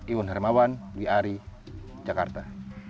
iwan hermawan wiari jakarta